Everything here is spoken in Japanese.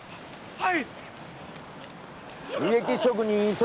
はい！